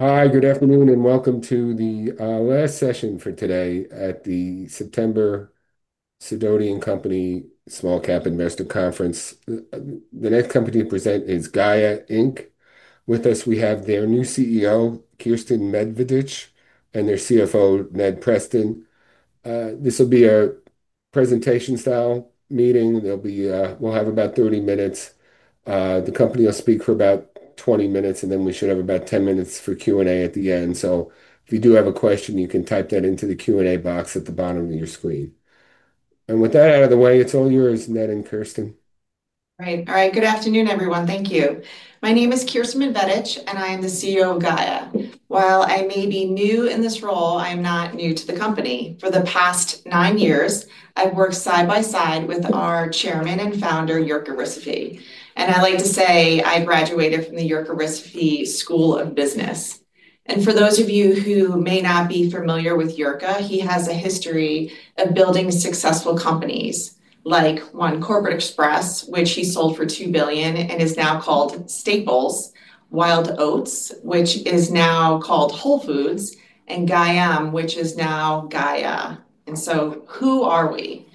Hi, good afternoon, and welcome to the last session for today at the September Sedona & Co. Small Cap Investor Conference. The next company to present is Gaia Inc. With us, we have their new CEO, Kiersten Medvedich, and their CFO, Ned Preston. This will be a presentation-style meeting. We'll have about 30 minutes. The company will speak for about 20 minutes, and then we should have about 10 minutes for Q&A at the end. If you do have a question, you can type that into the Q&A box at the bottom of your screen. With that out of the way, it's all yours, Ned and Kiersten. All right. Good afternoon, everyone. Thank you. My name is Kiersten Medvedich, and I am the CEO of Gaia Inc. While I may be new in this role, I am not new to the company. For the past nine years, I've worked side by side with our Chairman and Founder, Jirka Rysavy. I'd like to say I graduated from the Jirka Rysavy School of Business. For those of you who may not be familiar with Jirka, he has a history of building successful companies like Corporate Express, which he sold for $2 billion and is now called Staples, Wild Oats, which is now called Whole Foods, and Gaia, which is now Gaia Inc. Who are we?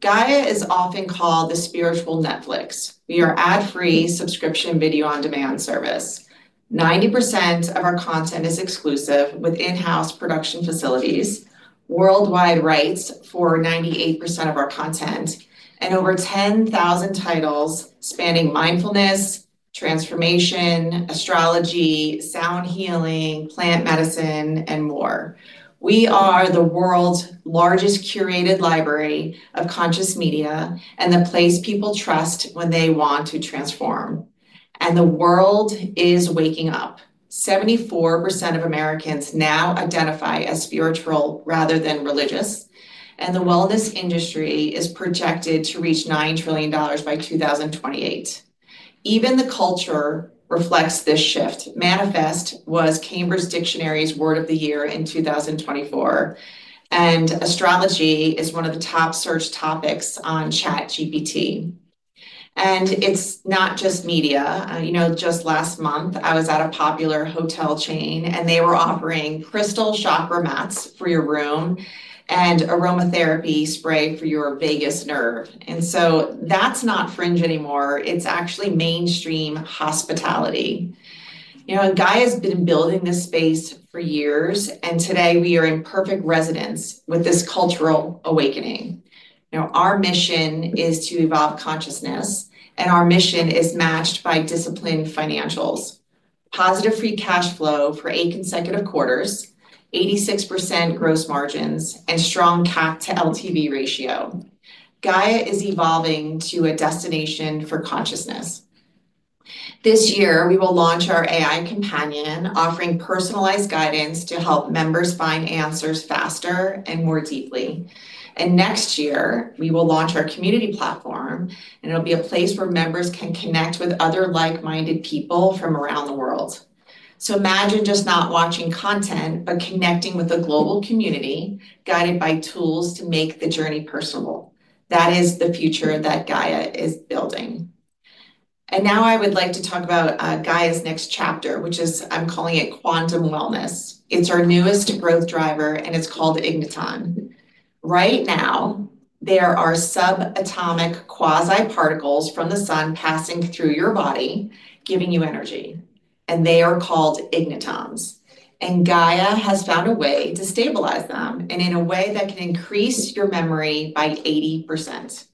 Gaia is often called the spiritual Netflix. We are an ad-free subscription video on-demand service. 90% of our content is exclusive with in-house production facilities, worldwide rights for 98% of our content, and over 10,000 titles spanning mindfulness, transformation, astrology, sound healing, plant medicine, and more. We are the world's largest curated library of conscious media and the place people trust when they want to transform. The world is waking up. 74% of Americans now identify as spiritual rather than religious, and the wellness industry is projected to reach $9 trillion by 2028. Even the culture reflects this shift. Manifest was Cambridge Dictionary's Word of the Year in 2024, and astrology is one of the top searched topics on ChatGPT. It's not just media. Just last month, I was at a popular hotel chain, and they were offering crystal chakra mats for your room and aromatherapy spray for your vagus nerve. That's not fringe anymore. It's actually mainstream hospitality. Gaia has been building this space for years, and today we are in perfect resonance with this cultural awakening. Our mission is to evolve consciousness, and our mission is matched by disciplined financials, positive free cash flow for eight consecutive quarters, 86% gross margins, and strong CAC to LTV ratio. Gaia is evolving to a destination for consciousness. This year, we will launch our AI companion, offering personalized guidance to help members find answers faster and more deeply. Next year, we will launch our community platform, and it'll be a place where members can connect with other like-minded people from around the world. Imagine not just watching content, but connecting with a global community guided by tools to make the journey personable. That is the future that Gaia is building. I would like to talk about Gaia's next chapter, which I'm calling Quantum Wellness. It's our newest growth driver, and it's called Igniton. Right now, there are subatomic quasi-particles from the sun passing through your body, giving you energy, and they are called Ignitons. Gaia has found a way to stabilize them in a way that can increase your memory by 80%.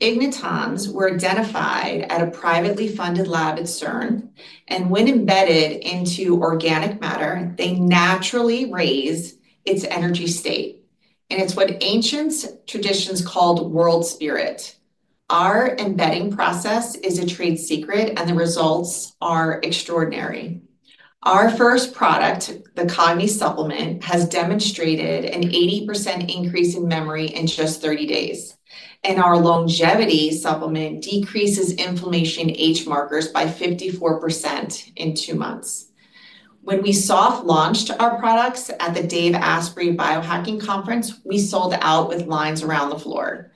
Ignitons were identified at a privately funded lab at CERN, and when embedded into organic matter, they naturally raise its energy state. It's what ancient traditions called world spirit. Our embedding process is a trade secret, and the results are extraordinary. Our first product, the Cogni supplement, has demonstrated an 80% increase in memory in just 30 days. Our longevity supplement decreases inflammation age markers by 54% in two months. When we soft-launched our products at the Dave Asprey Biohacking Conference, we sold out with lines around the floor.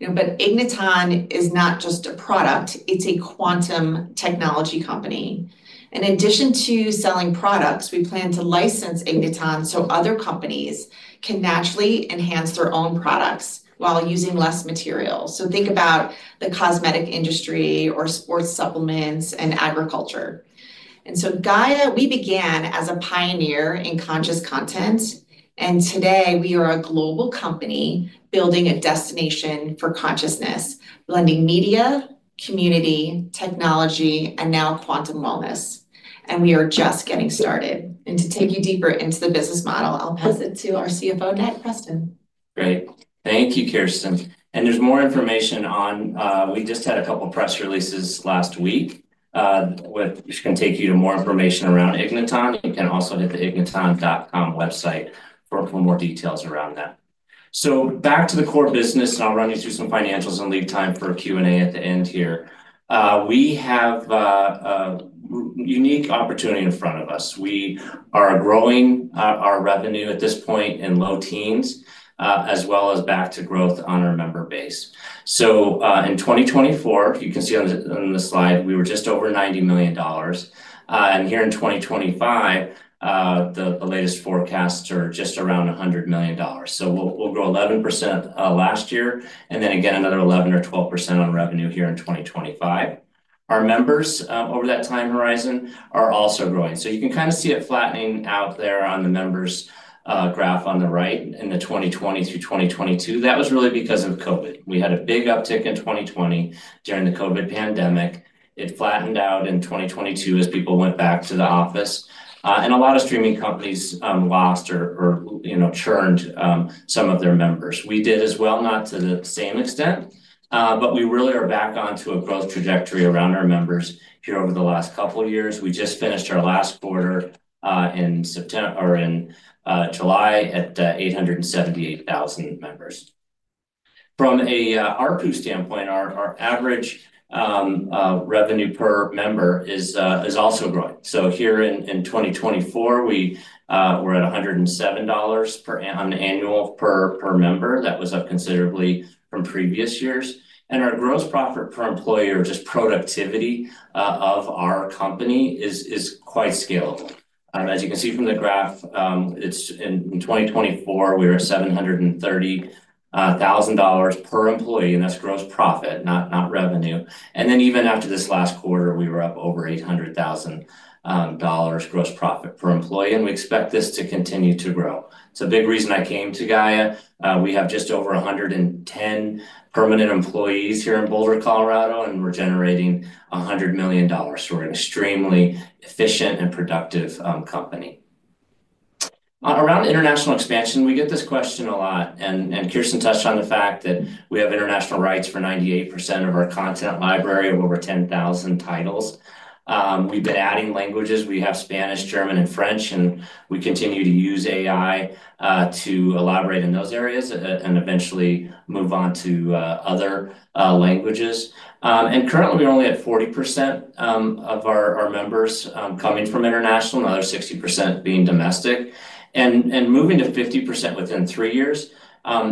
Igniton is not just a product. It's a quantum technology company. In addition to selling products, we plan to license Igniton so other companies can naturally enhance their own products while using less material. Think about the cosmetic industry or sports supplements and agriculture. Gaia began as a pioneer in conscious content, and today we are a global company building a destination for consciousness, blending media, community, technology, and now quantum wellness. We are just getting started. To take you deeper into the business model, I'll pass it to our CFO, Ned Preston. Great. Thank you, Kiersten. There's more information on, we just had a couple of press releases last week, which can take you to more information around Igniton. You can also hit the igniton.com website for more details around that. Back to the core business, I'll run you through some financials and leave time for Q&A at the end here. We have a unique opportunity in front of us. We are growing our revenue at this point in low teens, as well as back to growth on our member base. In 2024, you can see on the slide, we were just over $90 million. Here in 2025, the latest forecasts are just around $100 million. We'll grow 11% last year, and then again another 11% or 12% on revenue here in 2025. Our members over that time horizon are also growing. You can kind of see it flattening out there on the members' graph on the right in 2020 to 2022. That was really because of COVID. We had a big uptick in 2020 during the COVID pandemic. It flattened out in 2022 as people went back to the office. A lot of streaming companies lost or churned some of their members. We did as well, not to the same extent, but we really are back onto a growth trajectory around our members here over the last couple of years. We just finished our last quarter in September or in July at 878,000 members. From an ARPU standpoint, our average revenue per member is also growing. Here in 2024, we were at $107 on an annual per member. That was up considerably from previous years. Our gross profit per employee, or just productivity of our company, is quite scaled. As you can see from the graph, in 2024, we were at $730,000 per employee, and that's gross profit, not revenue. Even after this last quarter, we were up over $800,000 gross profit per employee, and we expect this to continue to grow. It's a big reason I came to Gaia. We have just over 110 permanent employees here in Boulder, Colorado, and we're generating $100 million. We're an extremely efficient and productive company. Around international expansion, we get this question a lot, and Kiersten touched on the fact that we have international rights for 98% of our content library of over 10,000 titles. We've been adding languages. We have Spanish, German, and French, and we continue to use AI to elaborate in those areas and eventually move on to other languages. Currently, we're only at 40% of our members coming from international, another 60% being domestic. Moving to 50% within three years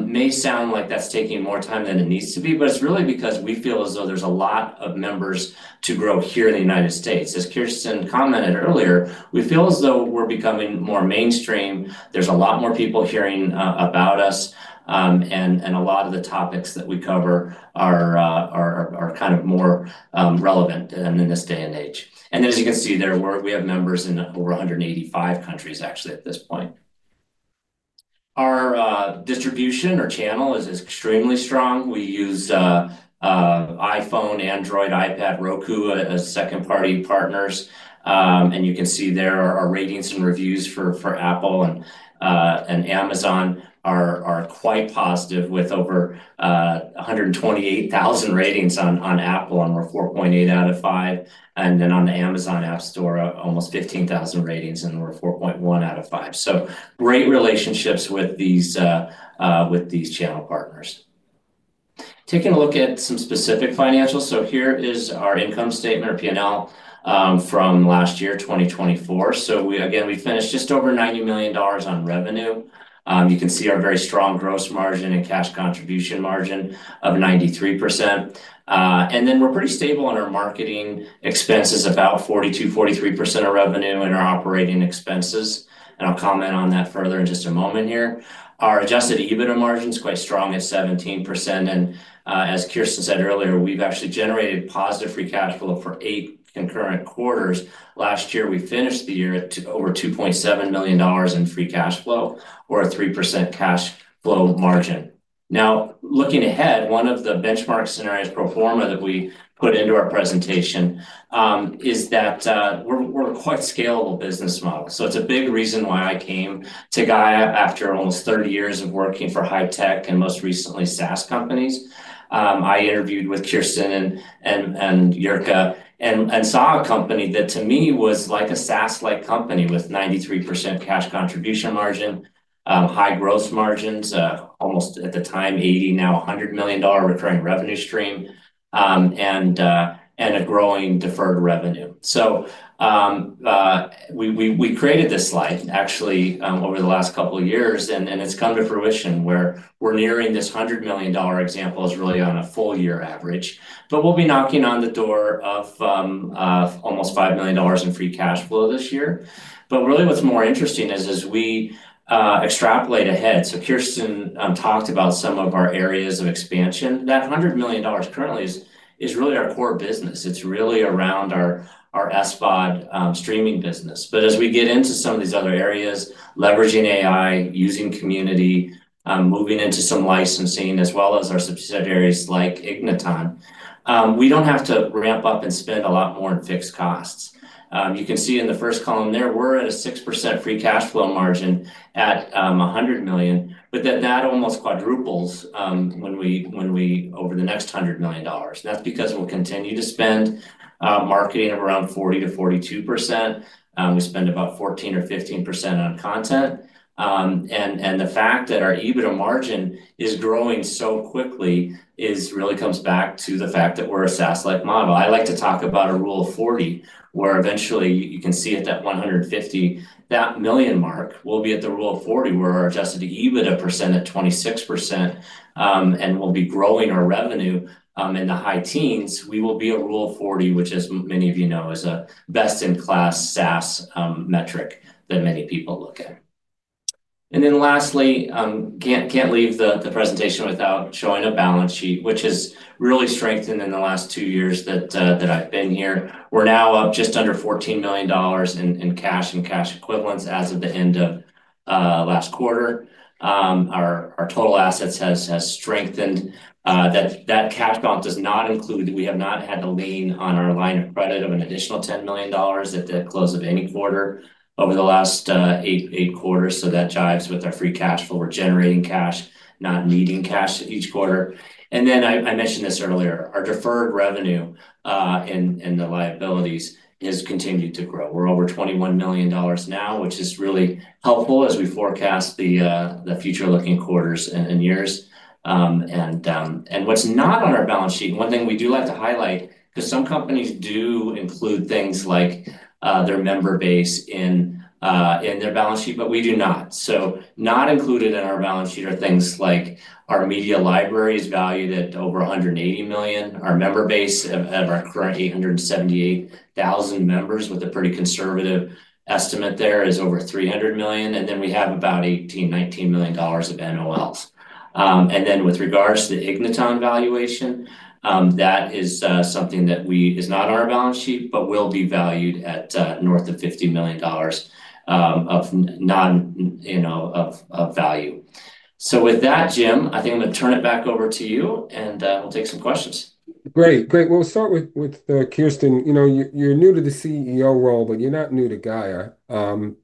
may sound like that's taking more time than it needs to be, but it's really because we feel as though there's a lot of members to grow here in the U.S. As Kiersten commented earlier, we feel as though we're becoming more mainstream. There's a lot more people hearing about us, and a lot of the topics that we cover are kind of more relevant in this day and age. As you can see there, we have members in over 185 countries, actually, at this point. Our distribution or channel is extremely strong. We use iPhone, Android, iPad, Roku as second-party partners. You can see there our ratings and reviews for Apple and Amazon are quite positive with over 128,000 ratings on Apple on our 4.8 out of 5. On the Amazon App Store, almost 15,000 ratings and over 4.1 out of 5. Great relationships with these channel partners. Taking a look at some specific financials. Here is our income statement or P&L from last year, 2024. We finished just over $90 million on revenue. You can see our very strong gross margin and cash contribution margin of 93%. We're pretty stable in our marketing expenses, about 42% to 43% of revenue in our operating expenses. I'll comment on that further in just a moment here. Our adjusted EBITDA margin is quite strong at 17%. As Kiersten said earlier, we've actually generated positive free cash flow for eight concurrent quarters. Last year, we finished the year at over $2.7 million in free cash flow or a 3% cash flow margin. Looking ahead, one of the benchmark scenarios pro forma that we put into our presentation is that we're a quite scalable business model. It's a big reason why I came to Gaia after almost 30 years of working for high-tech and most recently SaaS companies. I interviewed with Kiersten and Jirka and saw a company that to me was like a SaaS-like company with 93% cash contribution margin, high gross margins, almost at the time $80 million, now $100 million recurring revenue stream, and a growing deferred revenue. We created this slide actually over the last couple of years, and it's come to fruition where we're nearing this $100 million example is really on a full-year average. We'll be knocking on the door of almost $5 million in free cash flow this year. What's more interesting is as we extrapolate ahead. Kiersten talked about some of our areas of expansion. That $100 million currently is really our core business. It's really around our SVOD streaming business. As we get into some of these other areas, leveraging AI, using community, moving into some licensing, as well as our subsidiaries like Igniton, we don't have to ramp up and spend a lot more in fixed costs. You can see in the first column there, we're at a 6% free cash flow margin at $100 million, but then that almost quadruples when we go over the next $100 million. That's because we'll continue to spend marketing of around 40% to 42%. We spend about 14% or 15% on content. The fact that our EBITDA margin is growing so quickly really comes back to the fact that we're a SaaS-like model. I like to talk about a rule of 40, where eventually you can see at that $150 million mark, we'll be at the rule of 40, where our adjusted EBITDA percent at 26% and we'll be growing our revenue in the high teens, we will be a rule of 40, which as many of you know is a best-in-class SaaS metric that many people look at. Lastly, can't leave the presentation without showing a balance sheet, which has really strengthened in the last two years that I've been here. We're now up just under $14 million in cash and cash equivalents as of the end of last quarter. Our total assets have strengthened. That cash bump does not include that we have not had to lean on our line of credit of an additional $10 million at the close of any quarter over the last eight quarters. That jives with our free cash flow. We're generating cash, not needing cash each quarter. I mentioned this earlier, our deferred revenue and the liabilities have continued to grow. We're over $21 million now, which is really helpful as we forecast the future-looking quarters and years. What's not on our balance sheet, one thing we do like to highlight, because some companies do include things like their member base in their balance sheet, but we do not. Not included in our balance sheet are things like our media library is valued at over $180 million. Our member base of our current 878,000 members, with a pretty conservative estimate there, is over $300 million. We have about $18 million to $19 million of NOLs. With regards to the Igniton valuation, that is something that is not on our balance sheet, but will be valued at north of $50 million of value. With that, Jim, I think I'm going to turn it back over to you, and we'll take some questions. Great. We'll start with Kiersten. You're new to the CEO role, but you're not new to Gaia.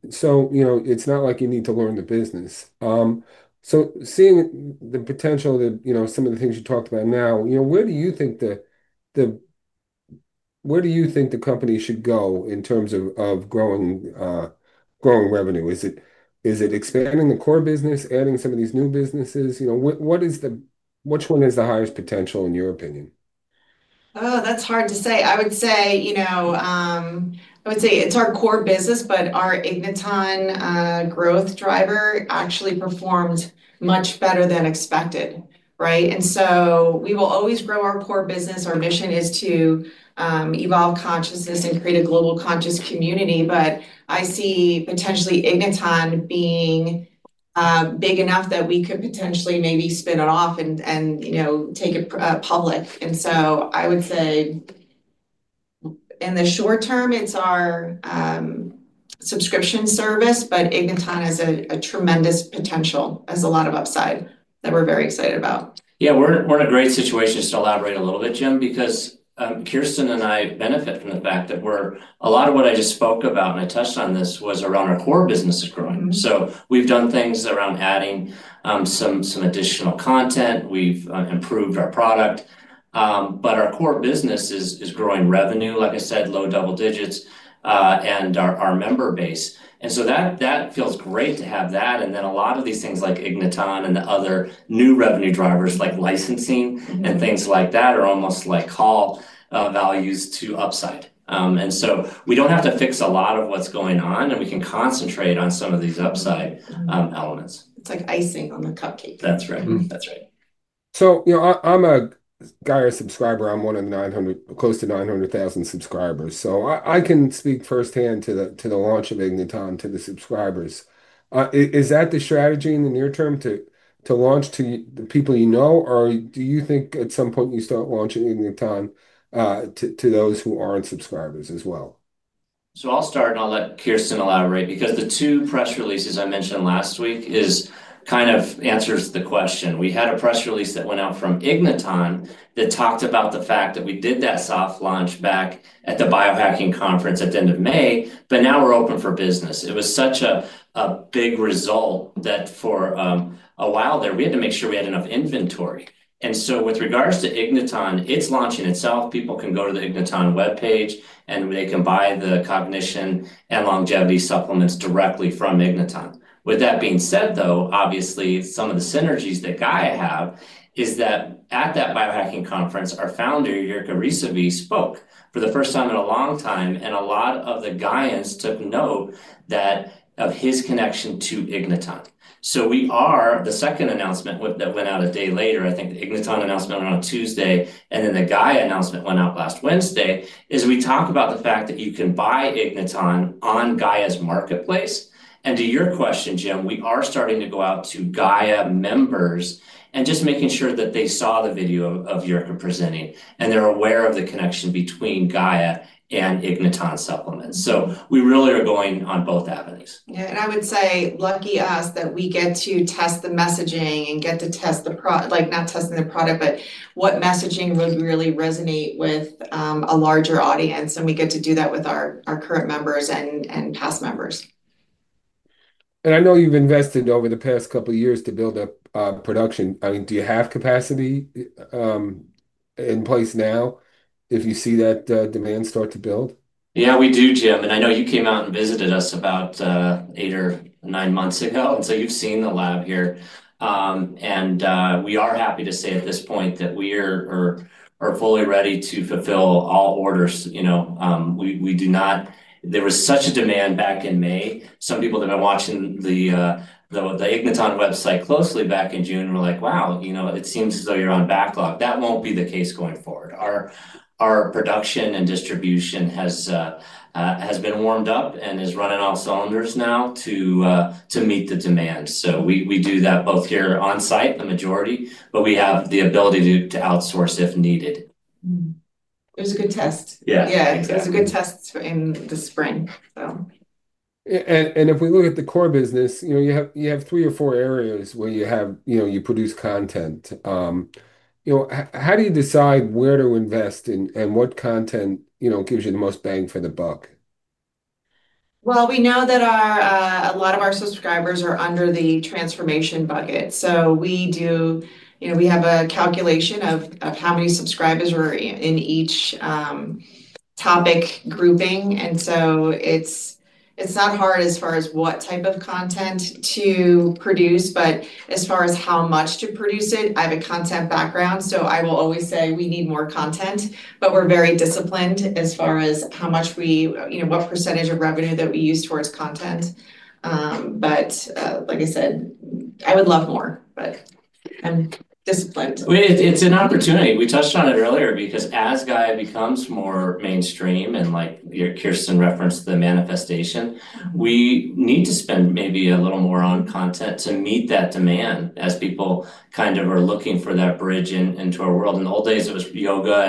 It's not like you need to learn the business. Seeing the potential of some of the things you talked about now, where do you think the company should go in terms of growing revenue? Is it expanding the core business, adding some of these new businesses? Which one is the highest potential in your opinion? That's hard to say. I would say it's our core business, but our Igniton growth driver actually performed much better than expected, right? We will always grow our core business. Our mission is to evolve consciousness and create a global conscious community. I see potentially Igniton being big enough that we could potentially maybe spin it off and take it public. I would say in the short term, it's our subscription service, but Igniton has tremendous potential, has a lot of upside that we're very excited about. Yeah, we're in a great situation. Just to elaborate a little bit, Jim, because Kiersten and I benefit from the fact that a lot of what I just spoke about, and I touched on this, was around our core business is growing. We've done things around adding some additional content, and we've improved our product. Our core business is growing revenue, like I said, low double digits, and our member base. That feels great to have that. A lot of these things like Igniton and the other new revenue drivers, like licensing and things like that, are almost like call values to upside. We don't have to fix a lot of what's going on, and we can concentrate on some of these upside elements. It's like icing on the cupcake. That's right. I'm a Gaia subscriber. I'm one of close to 900,000 subscribers. I can speak firsthand to the launch of Igniton to the subscribers. Is that the strategy in the near term to launch to the people you know, or do you think at some point you start launching Igniton to those who aren't subscribers as well? I'll start, and I'll let Kiersten elaborate because the two press releases I mentioned last week kind of answer the question. We had a press release that went out from Igniton that talked about the fact that we did that soft launch back at the Biohacking Conference at the end of May, but now we're open for business. It was such a big result that for a while there, we had to make sure we had enough inventory. With regards to Igniton, it's launching itself. People can go to the Igniton web page, and they can buy the cognition and longevity supplements directly from Igniton. With that being said, obviously some of the synergies that Gaia has is that at that Biohacking Conference, our founder, Jirka Rysavy, spoke for the first time in a long time, and a lot of the Gaians took note of his connection to Igniton. The second announcement that went out a day later—I think the Igniton announcement went out on Tuesday, and then the Gaia announcement went out last Wednesday—is we talk about the fact that you can buy Igniton on Gaia Marketplace. To your question, Jim, we are starting to go out to Gaia members and just making sure that they saw the video of Jirka presenting, and they're aware of the connection between Gaia and Igniton supplements. We really are going on both avenues. Yeah, I would say lucky us that we get to test the messaging and get to test the product, not testing the product, but what messaging would really resonate with a larger audience, and we get to do that with our current members and past members. I know you've invested over the past couple of years to build up production. Do you have capacity in place now if you see that demand start to build? Yeah, we do, Jim. I know you came out and visited us about eight or nine months ago, and you've seen the lab here. We are happy to say at this point that we are fully ready to fulfill all orders. There was such a demand back in May. Some people that are watching the Igniton website closely back in June were like, wow, it seems as though you're on backlog. That won't be the case going forward. Our production and distribution has been warmed up and is running off cylinders now to meet the demand. We do that both here on site, the majority, but we have the ability to outsource if needed. It was a good test. Yeah. Yeah, it was a good test in the spring. If we look at the core business, you have three or four areas where you produce content. How do you decide where to invest and what content gives you the most bang for the buck? A lot of our subscribers are under the transformation bucket. We have a calculation of how many subscribers were in each topic grouping. It's not hard as far as what type of content to produce, but as far as how much to produce, I have a content background. I will always say we need more content, but we're very disciplined as far as what % of revenue that we use towards content. Like I said, I would love more. I'm disciplined. It's an opportunity. We touched on it earlier because as Gaia becomes more mainstream and like Kiersten referenced the manifestation, we need to spend maybe a little more on content to meet that demand as people are looking for that bridge into our world. In the old days, it was yoga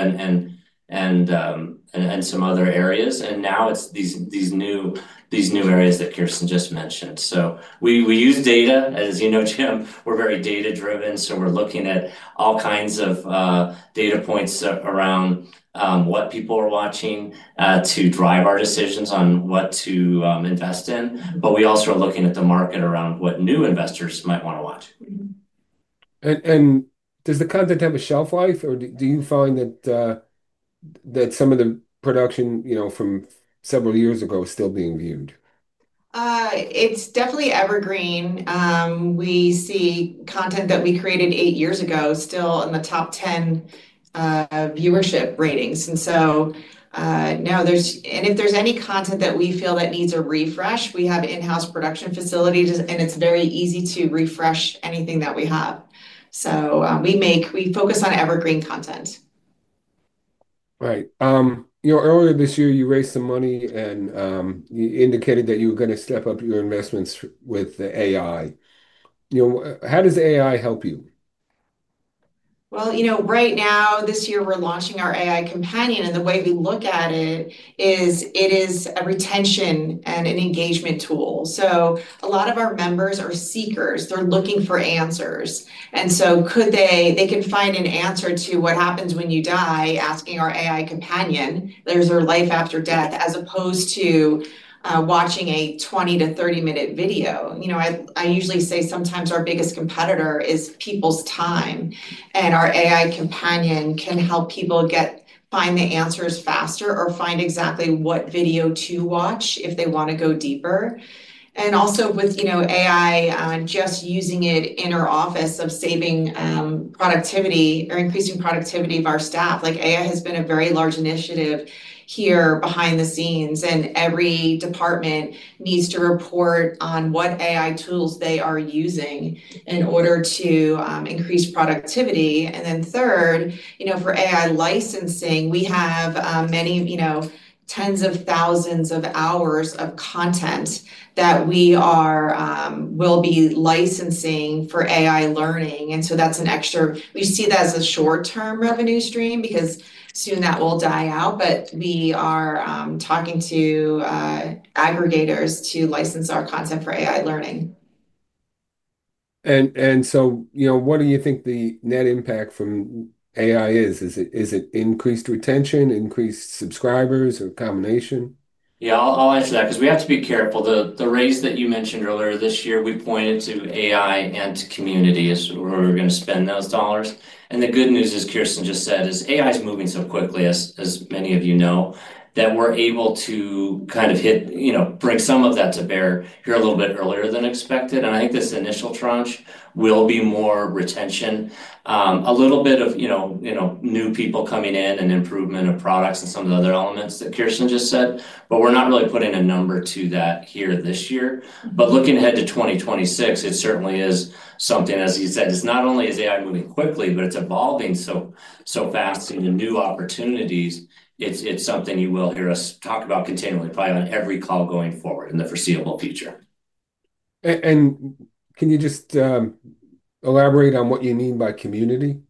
and some other areas. Now it's these new areas that Kiersten just mentioned. We use data. As you know, Jim, we're very data-driven. We're looking at all kinds of data points around what people are watching to drive our decisions on what to invest in. We also are looking at the market around what new investors might want to watch. Does the content have a shelf life, or do you find that some of the production from several years ago is still being viewed? It's definitely evergreen. We see content that we created eight years ago still in the top 10 viewership ratings. If there's any content that we feel needs a refresh, we have in-house production facilities, and it's very easy to refresh anything that we have. We focus on evergreen content. Right. Earlier this year, you raised some money and you indicated that you were going to step up your investments with the AI. How does AI help you? Right now, this year, we're launching our AI companion, and the way we look at it is it is a retention and an engagement tool. A lot of our members are seekers. They're looking for answers. They can find an answer to what happens when you die, asking our AI companion. Is there life after death, as opposed to watching a 20 to 30-minute video? I usually say sometimes our biggest competitor is people's time. Our AI companion can help people find the answers faster or find exactly what video to watch if they want to go deeper. Also, with AI, just using it in our office for saving productivity or increasing productivity of our staff, AI has been a very large initiative here behind the scenes, and every department needs to report on what AI tools they are using in order to increase productivity. Third, for AI licensing, we have tens of thousands of hours of content that we will be licensing for AI learning. That's an extra, we see that as a short-term revenue stream because soon that will die out. We are talking to aggregators to license our content for AI learning. What do you think the net impact from AI is? Is it increased retention, increased subscribers, or a combination? Yeah, I'll answer that because we have to be careful. The raise that you mentioned earlier this year, we pointed to AI and to community as where we're going to spend those dollars. The good news, as Kiersten just said, is AI is moving so quickly, as many of you know, that we're able to kind of hit, you know, break some of that to bear here a little bit earlier than expected. I think this initial tranche will be more retention, a little bit of, you know, new people coming in and improvement of products and some of the other elements that Kiersten just said. We're not really putting a number to that here this year. Looking ahead to 2026, it certainly is something, as you said, not only is AI moving quickly, but it's evolving so fast into new opportunities. It's something you will hear us talk about continually, probably on every call going forward in the foreseeable future. Could you just elaborate on what you mean by community?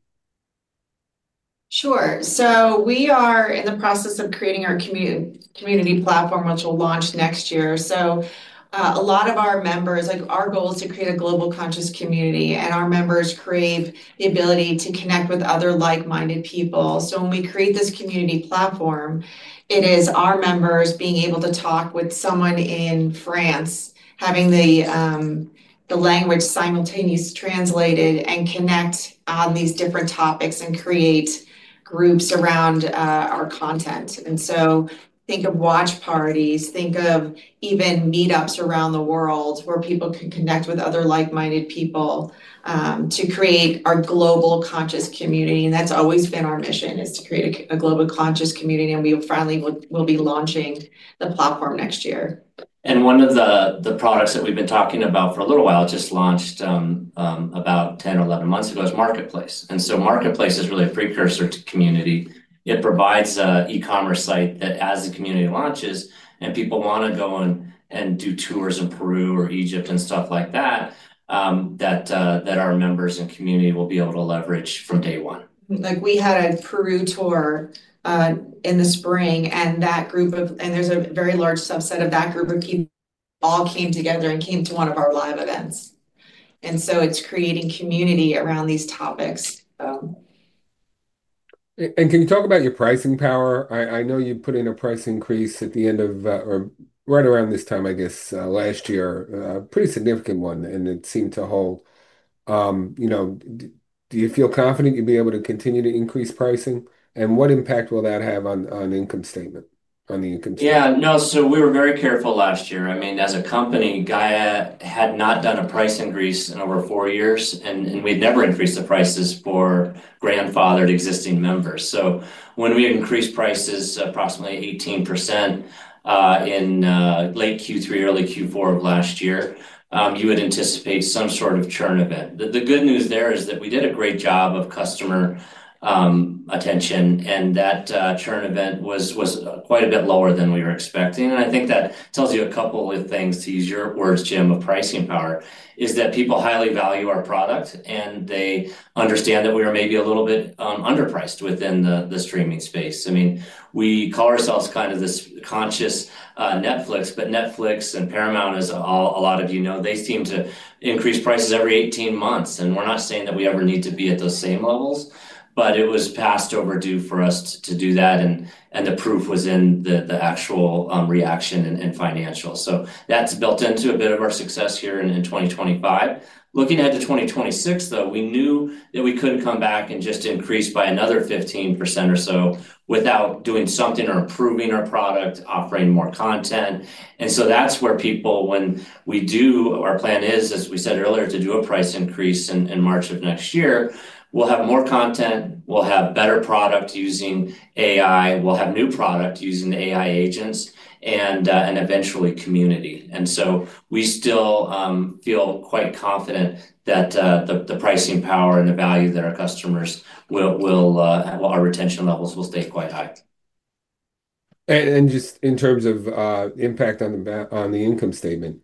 We are in the process of creating our community platform, which will launch next year. A lot of our members, like our goal is to create a global conscious community, and our members create the ability to connect with other like-minded people. When we create this community platform, it is our members being able to talk with someone in France, having the language simultaneously translated, and connect on these different topics and create groups around our content. Think of watch parties, think of even meetups around the world where people can connect with other like-minded people to create our global conscious community. That's always been our mission, to create a global conscious community. We finally will be launching the platform next year. One of the products that we've been talking about for a little while just launched about 10 or 11 months ago is Gaia Marketplace. Gaia Marketplace is really a precursor to community. It provides an e-commerce site that, as the community launches and people want to go and do tours in Peru or Egypt and stuff like that, our members and community will be able to leverage from day one. We had a Peru tour in the spring, and there's a very large subset of that group of people who all came together and came to one of our live events. It's creating community around these topics. Can you talk about your pricing power? I know you put in a price increase at the end of, or right around this time last year, a pretty significant one, and it seemed to hold. Do you feel confident you'd be able to continue to increase pricing? What impact will that have on the income statement? Yeah, no, so we were very careful last year. I mean, as a company, Gaia Inc. had not done a price increase in over four years, and we've never increased the prices for grandfathered existing members. When we increased prices approximately 18% in late Q3, early Q4 of last year, you would anticipate some sort of churn event. The good news there is that we did a great job of customer retention, and that churn event was quite a bit lower than we were expecting. I think that tells you a couple of things, to use your words, Jim, of pricing power, is that people highly value our product, and they understand that we are maybe a little bit underpriced within the streaming space. We call ourselves kind of this conscious Netflix, but Netflix and Paramount, as a lot of you know, they seem to increase prices every 18 months. We're not saying that we ever need to be at those same levels, but it was past overdue for us to do that, and the proof was in the actual reaction and financials. That's built into a bit of our success here in 2025. Looking ahead to 2026, though, we knew that we couldn't come back and just increase by another 15% or so without doing something or improving our product, offering more content. That's where people, when we do, our plan is, as we said earlier, to do a price increase in March of next year. We'll have more content, we'll have better product using AI, we'll have new product using AI agents, and eventually community. We still feel quite confident that the pricing power and the value that our customers will, our retention levels will stay quite high. In terms of impact on the income statement,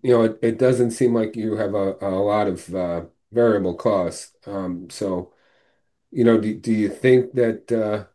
you know, it doesn't seem like you have a lot of variable costs. Do you think that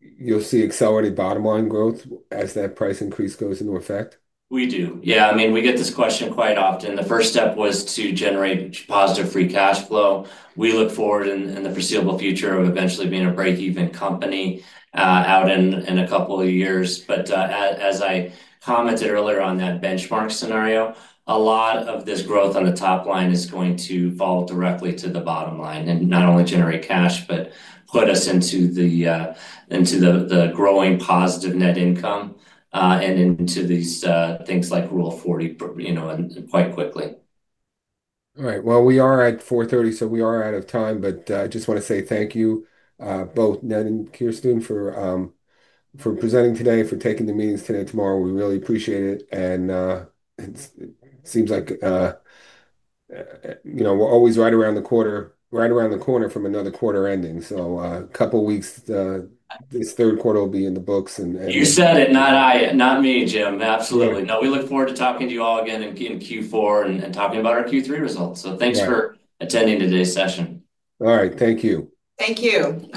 you'll see accelerated bottom line growth as that price increase goes into effect? We do. Yeah, I mean, we get this question quite often. The first step was to generate positive free cash flow. We look forward in the foreseeable future to eventually being a break-even company out in a couple of years. As I commented earlier on that benchmark scenario, a lot of this growth on the top line is going to fall directly to the bottom line and not only generate cash, but put us into the growing positive net income and into these things like Rule 40, you know, quite quickly. All right. We are at 4:30, so we are out of time, but I just want to say thank you both, Ned and Kiersten, for presenting today, for taking the meetings today and tomorrow. We really appreciate it. It seems like, you know, we're always right around the corner from another quarter ending. In a couple of weeks, this third quarter will be in the books. You said it, not I, not me, Jim. Absolutely. We look forward to talking to you all again in Q4 and talking about our Q3 results. Thanks for attending today's session. All right. Thank you. Thank you.